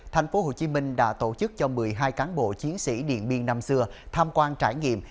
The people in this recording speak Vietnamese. thành phố hồ chí minh đã tổ chức cho một mươi hai cán bộ chiến sĩ điện biên năm xưa tham quan trải nghiệm